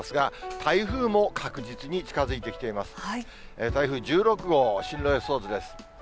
台風１６号、進路予想図です。